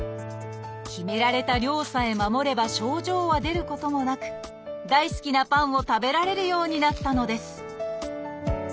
決められた量さえ守れば症状は出ることもなく大好きなパンを食べられるようになったのです